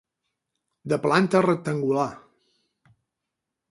De planta rectangular.